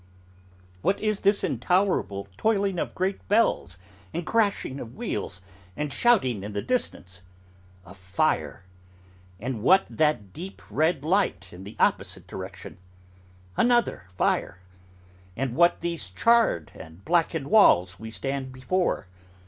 What is this intolerable tolling of great bells, and crashing of wheels, and shouting in the distance? A fire. And what that deep red light in the opposite direction? Another fire. And what these charred and blackened walls we stand before?